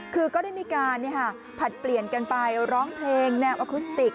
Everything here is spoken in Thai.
คือก็ได้มีการผลัดเปลี่ยนกันไปร้องเพลงแนวอคุสติก